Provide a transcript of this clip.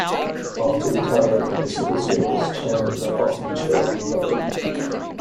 After retiring from the civil service, Chan did not often show up in public.